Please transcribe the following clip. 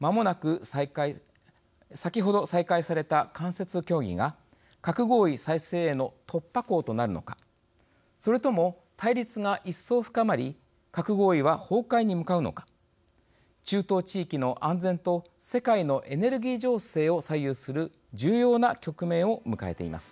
先程、再開された間接協議が核合意再生への突破口となるのかそれとも、対立が一層深まり核合意は崩壊に向かうのか中東地域の安全と世界のエネルギー情勢を左右する重要な局面を迎えています。